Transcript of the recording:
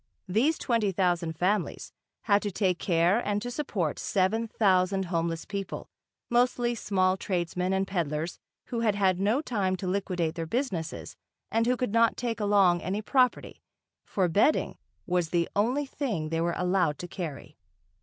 These twenty thousand families had to take care and to support seven thousand homeless people, mostly small tradesmen and peddlers who had had no time to liquidate their businesses and who could not take along any property, for bedding was the only thing they were allowed to carry.